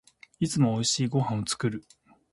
いつも美味しいご飯を作る